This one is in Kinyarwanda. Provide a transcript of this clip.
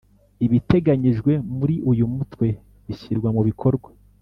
ibiteganyijwe muri uyu mutwe bishyirwa mu bikorwa